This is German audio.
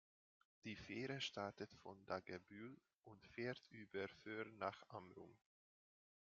Die Fähre startet von Dagebüll und fährt über Föhr nach Amrum.